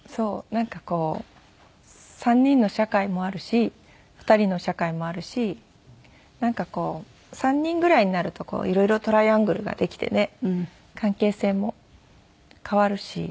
なんかこう３人の社会もあるし２人の社会もあるし３人ぐらいになると色々トライアングルができてね関係性も変わるし。